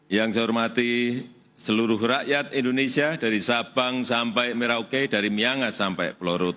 yang saya hormati seluruh rakyat indonesia dari sabang sampai merauke dari miangas sampai pulau rute